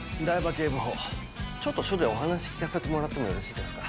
警部補ちょっと署でお話聞かせてもらってもよろしいですか？